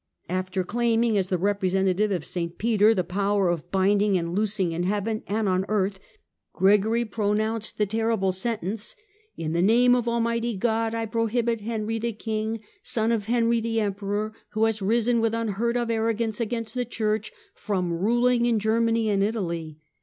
After claiming, as the representative of St Peter, the power of binding and loosing in heaven and on earth, Gregory pronounced the terrible sentence :" In the name of Almighty God, I pro hibit Henry the King, son of Henry the Emperor, who has risen with unheard of arrogance against the Church, from ruling in Germany and Italy.